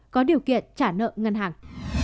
có điều kiện trả nợ ngân hàng